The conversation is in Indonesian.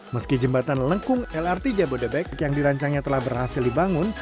meski jembatan lengkung lrt jabodebek yang dirancangnya telah berhasil dibangun